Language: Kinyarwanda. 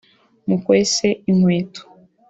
mukwese inkweto